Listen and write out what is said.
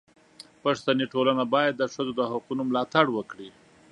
پښتني ټولنه باید د ښځو د حقونو ملاتړ وکړي.